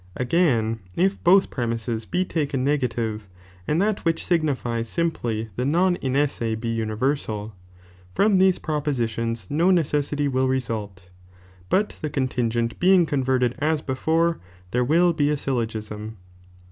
Again, if both premises be taken negative, and that which signi fies jdffiply the non inesse be universal ; from these propositions 00 necessity will result, but the contingent being converted as btfore there will be a syllogism.